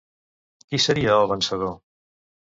Qui seria el vencedor?